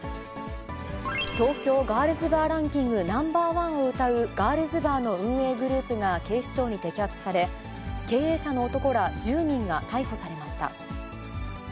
東京ガールズバーランキングＮｏ．１をうたうガールズバーの運営グループが警視庁に摘発され、経営者の男ら１０人が逮捕されました。